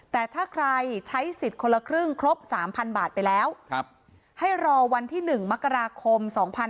แต่ถ้าใครใช้สิทธิ์คนละครึ่งครบ๓๐๐บาทไปแล้วให้รอวันที่๑มกราคม๒๕๖๒